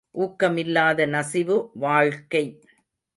ஊக்கமில்லாத நசிவு வாழ்க்கை!